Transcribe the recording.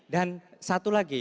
dan satu lagi